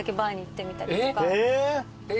えっ！